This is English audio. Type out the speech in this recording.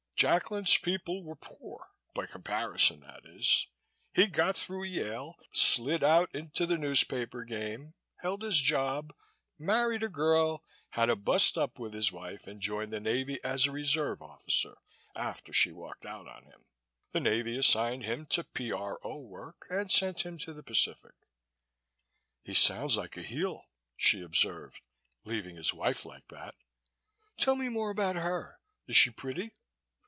Jacklin's people were poor, by comparison that is. He got through Yale, slid out into the newspaper game, held his job, married a girl, had a bust up with his wife and joined the Navy as a reserve officer after she walked out on him. The Navy assigned him to P.R.O. work and sent him to the Pacific." "He sounds like a heel," she observed, "leaving his wife like that. Tell me more about her. Is she pretty?"